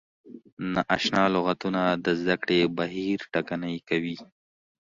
نا اشنا لغتونه د زده کړې بهیر ټکنی کوي.